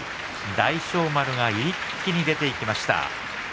大翔丸が一気に出ていきました。